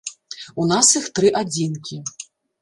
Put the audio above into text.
У нас іх тры адзінкі.